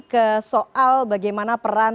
ke soal bagaimana peran